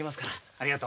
ありがと。